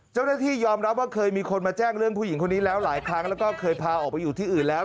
เจ้าหน้าที่ยอมรับว่าเคยมีคนมาแจ้งเรื่องผู้หญิงคนนี้แล้วหลายครั้งแล้วก็เคยพาออกไปอยู่ที่อื่นแล้ว